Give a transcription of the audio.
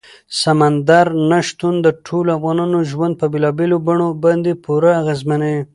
سمندر نه شتون د ټولو افغانانو ژوند په بېلابېلو بڼو باندې پوره اغېزمنوي.